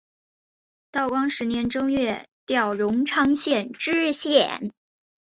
道光十年正月调荣昌县知县。